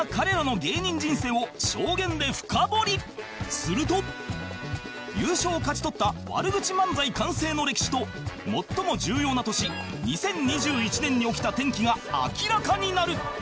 すると優勝を勝ち取った悪口漫才完成の歴史と最も重要な年２０２１年に起きた転機が明らかになる